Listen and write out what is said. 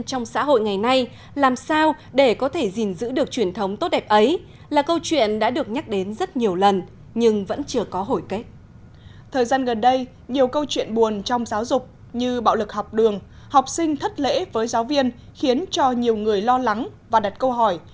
trong gần đây nhiều câu chuyện buồn trong giáo dục như bạo lực học đường học sinh thất lễ với giáo viên khiến cho nhiều người lo lắng và đặt câu hỏi